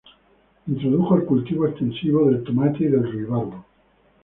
Introdujo el cultivo extensivo del tomate y del ruibarbo.